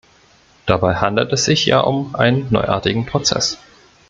Dabei handelt es sich ja um einen neuartigen Prozess.